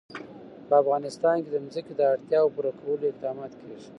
په افغانستان کې د ځمکه د اړتیاوو پوره کولو اقدامات کېږي.